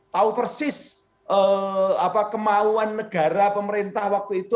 tahu persis kemauan negara pemerintah waktu itu